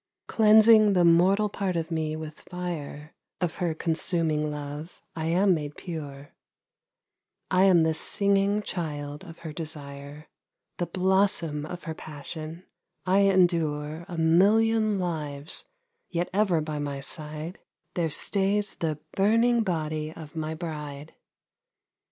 Cleansing the mortal part of me with fire Of her consuming love, I am made pure ; I am the singing child of her desire, The blossom of her passion, I endure A million lives, yet ever by my side There stays the burning body of my bride.